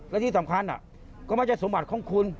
และที่สำคัญก็ไม่ใช่สมบัติของคุณ